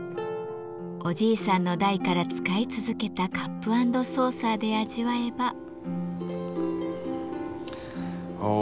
おじいさんの代から使い続けたカップ・アンド・ソーサーで味わえば。